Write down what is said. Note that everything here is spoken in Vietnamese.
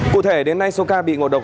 cụ thể đến nay số ca bị ngộ độc